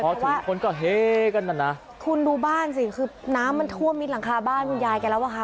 พอถึงคนก็เฮกันน่ะนะคุณดูบ้านสิคือน้ำมันท่วมมิดหลังคาบ้านคุณยายกันแล้วอ่ะค่ะ